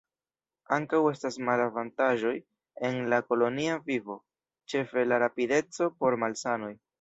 Ankaŭ estas malavantaĝoj en la kolonia vivo, ĉefe la rapideco por malsanoj.